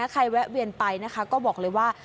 แวะเวียนไปนะคะก็บอกเลยว่า